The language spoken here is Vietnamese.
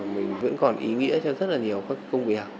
mình vẫn còn ý nghĩa cho rất là nhiều các công việc